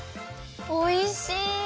おいしい！